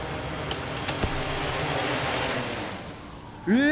え！